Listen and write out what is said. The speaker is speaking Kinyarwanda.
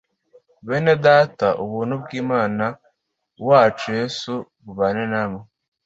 Bene Data ubuntu bw Umwami wacu Yesu bubane namwe